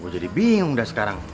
gue jadi bingung udah sekarang